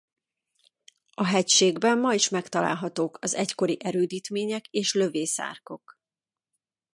A hegységben ma is megtalálhatók az egykori erődítmények és lövészárkok.